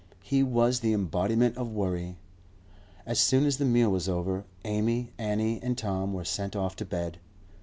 He was the embodiment of worry. As soon as the meal was over, Amy, Annie, and Tom were sent off to bed.